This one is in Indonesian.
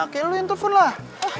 kayaknya lo yang telfon lah